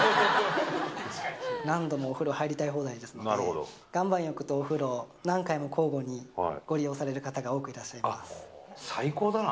何度もお風呂入りたい放題ですので、岩盤浴とお風呂、何回も交互にご利用される方が多くいら最高だな。